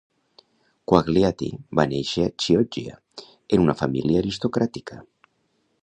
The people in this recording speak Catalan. Quagliati va néixer a Chioggia en una família aristocràtica.